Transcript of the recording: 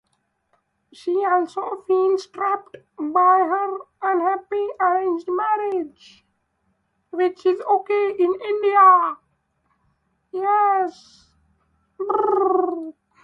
She also feels trapped by her unhappy arranged marriage.